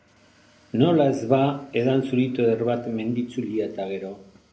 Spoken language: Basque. Nola ez ba edan zurito eder bat mendi itzulia eta gero?